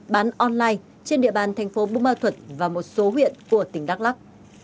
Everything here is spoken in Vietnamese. bán online trên địa bàn thành phố bù ma thuật và một số huyện của tỉnh đắk lắc